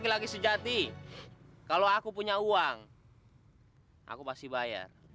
laki laki sejati kalau aku punya uang aku pasti bayar